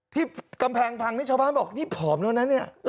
ที่กำแพงพังนี่ชาวบ้านบอกนี่ผอมแล้วนะเนี่ย